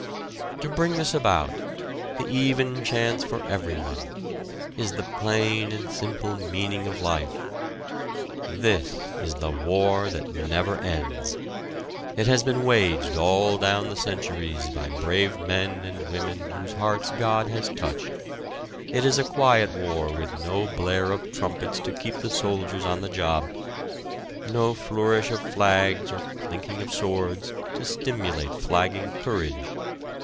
To bring this about the even chance for everyone is the plain and simple meaning of life. This is the War that never ends. It has been waged all down the centuries by brave men and women whose hearts God has touched. It is a quiet war with no blare of trumpets to keep the soldiers on the job, no flourish of flags or clinking of swords to stimulate flagging courage.